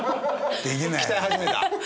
鍛え始めた？